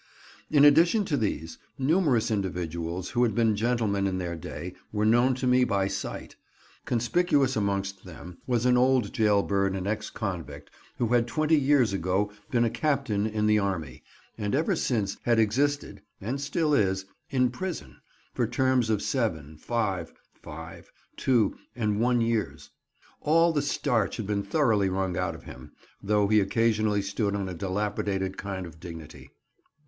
In addition to these, numerous individuals who had been gentlemen in their day were known to me by sight. Conspicuous amongst them, was an old jail bird and ex convict, who had 20 years ago been a captain in the army, and ever since had existed (and still is) in prison, for terms of seven, five, five, two, and one years. All the starch had been thoroughly wrung out of him, though he occasionally stood on a dilapidated kind of dignity.